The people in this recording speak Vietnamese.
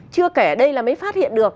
chưa kể đây là mới phát hiện được